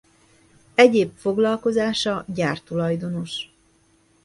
Egyéb foglalkozása gyártulajdonos.